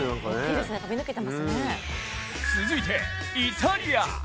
続いてイタリア。